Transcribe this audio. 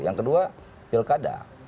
yang kedua pilkada